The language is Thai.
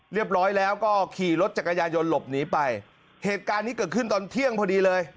เรียบร้อยแล้วก็ขี่รถจักรยานยนต์หลบหนีไปเหตุการณ์นี้เกิดขึ้นตอนเที่ยงพอดีเลย